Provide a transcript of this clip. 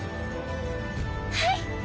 はい！